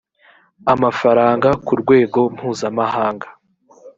amafaranga ku rwego mpuzamahanga